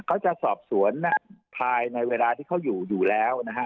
เขาจะสอบสวนภายในเวลาที่เขาอยู่อยู่แล้วนะฮะ